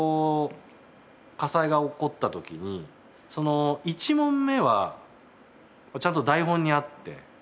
火災が起こった時に１問目はちゃんと台本にあって。